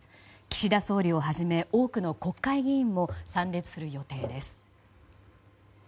岸田総理をはじめ多くの国会議員も参列する予定です。